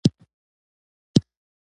غوماشې د وینې سره لیوالتیا لري.